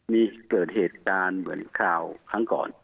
มีเกิดเหตุการณ์เหมือนคราวครั้งก่อน